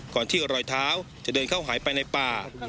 ก่อนที่รอยเท้าจะเดินเข้าหายไปในป่า